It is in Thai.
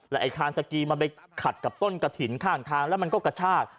ไอ้คานสกีมันไปขัดกับต้นกระถิ่นข้างทางแล้วมันก็กระชาก